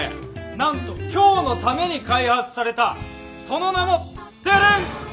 なんと今日のために開発されたその名もテレンッ！